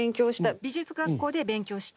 美術学校で勉強した。